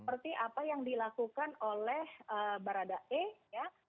seperti apa yang dilakukan oleh baradae ya